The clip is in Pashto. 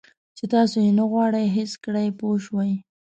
چې تاسو یې نه غواړئ حس کړئ پوه شوې!.